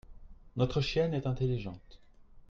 notre chienne est intelligente.